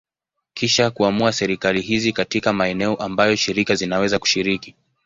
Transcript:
Kisha kuamua serikali hizi katika maeneo ambayo shirika zinaweza kushiriki.